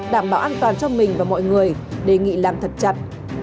đảm bảo an toàn cho mình và mọi người đề nghị làm thật chặt